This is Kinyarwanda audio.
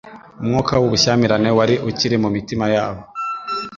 umwuka w'ubushyamirane wari ukiri mu mitima yabo.